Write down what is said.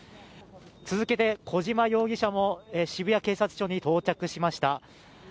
続けて小島容疑者も渋谷警察署に到着しました。